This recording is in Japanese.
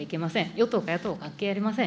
与党か野党か、関係ありません。